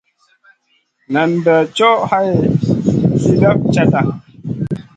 Nen bè co hai slina cata.